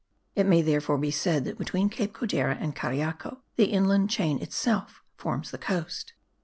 It may therefore be said that between Cape Codera and Cariaco the inland chain itself forms the coast.